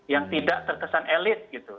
yang tidak terkesan elit gitu